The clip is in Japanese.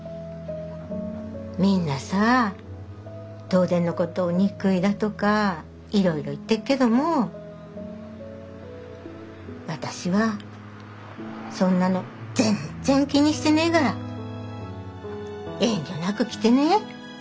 みんなさぁ東電のことを憎いだとかいろいろ言ってっけども私はそんなの全然気にしてねえから遠慮なく来てね。